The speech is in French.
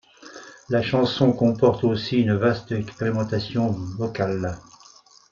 La chanson comporte aussi une vaste expérimentation vocale.